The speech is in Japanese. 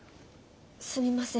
すみません。